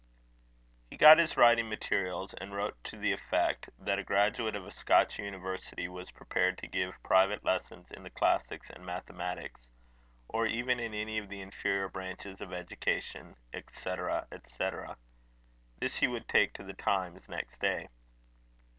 He got his writing materials, and wrote to the effect, that a graduate of a Scotch university was prepared to give private lessons in the classics and mathematics, or even in any of the inferior branches of education, &c., &c. This he would take to the Times next day.